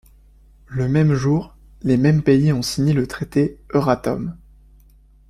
Le même jour, les mêmes pays ont signé le traité Euratom.